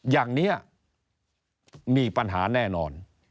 อย่างนี้มีปัญหาแน่นอน